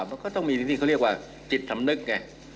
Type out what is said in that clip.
มันก็ต้องมีที่เขาเรียกว่าจิตสำนึกไง